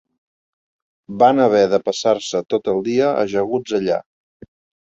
Van haver de passar-se tot el dia ajaguts allà